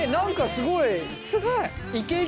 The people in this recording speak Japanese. すごい。